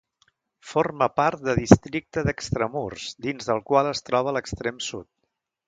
Forma part de districte d'Extramurs, dins del qual es troba a l'extrem sud.